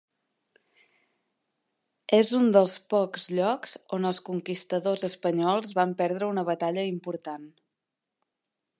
És un dels pocs llocs on els conquistadors espanyols van perdre una batalla important.